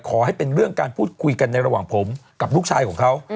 ขอให้เป็นเรื่องการพูดคุยกันในระหว่างผมกับลูกชายของเขา